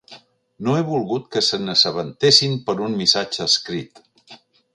No he volgut que se n'assabentessin per un missatge escrit.